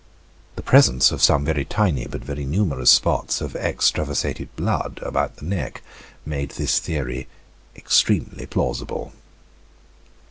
The presence of some very tiny but very numerous spots of extravasated blood about the neck made this theory extremely plausible.